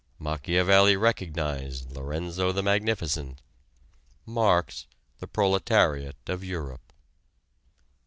Machiavelli recognized Lorenzo the Magnificent; Marx, the proletariat of Europe.